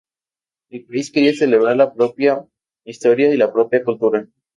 El país quería celebrar la propia historia y la propia cultura.